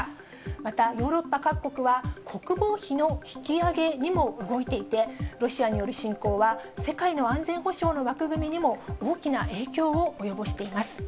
また、ヨーロッパ各国は国防費の引き上げにも動いていて、ロシアによる侵攻は世界の安全保障の枠組みにも大きな影響を及ぼしています。